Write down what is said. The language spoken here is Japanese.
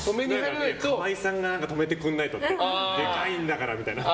川合さんが止めてくれないとでかいんだからみたいな。